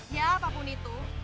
ya apapun itu